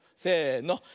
せの。